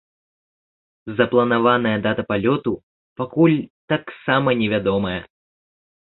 Запланаваная дата палёту пакуль таксама не вядомая.